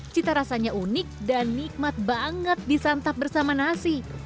cita rasanya unik dan nikmat banget disantap bersama nasi